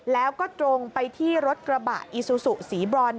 แล้วก็ตรงไปที่รถกระบะอีซูซูสีบรอน